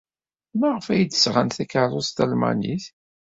Maɣef ay d-sɣant takeṛṛust talmanit?